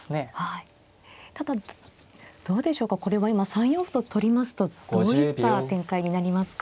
ただどうでしょうかこれは今３四歩と取りますとどういった展開になりますか。